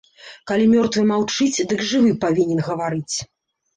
Калі мёртвы маўчыць, дык жывы павінен гаварыць.